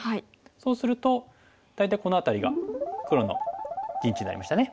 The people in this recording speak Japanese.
そうすると大体この辺りが黒の陣地になりましたね。